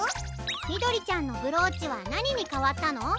みどりちゃんのブローチはなににかわったの？